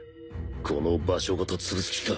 この場所ごと潰す気か！？